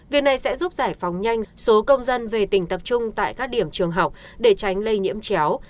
việc này sẽ giúp giải phóng nhanh số công dân về tỉnh tập trung tại các điểm trường học để tránh lây nhiễm chéo